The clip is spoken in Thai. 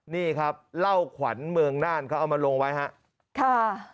นี่ครับเหล้าขวัญเมืองน่านเขาเอามาลงไว้ครับ